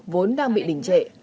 vốn đang bị đỉnh trệ